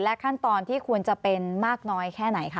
ขั้นตอนที่ควรจะเป็นมากน้อยแค่ไหนคะ